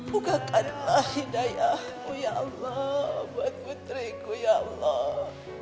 bukakanlah hidayahku ya allah buat putriku ya allah